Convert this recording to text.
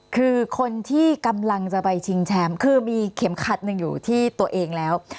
คือคนที่กำลังจะไปชิงแชมป์คือมีเข็มขัดหนึ่งอยู่ที่ตัวเองแล้ว